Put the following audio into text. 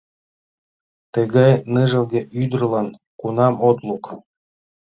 Тыгай ныжылге ӱдырлан кунам от лук?